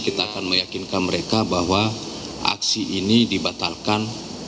kita akan meyakinkan mereka bahwa aksi ini dibatalkan